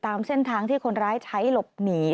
ตามเส้นทางที่คนร้ายใช้หลบหนี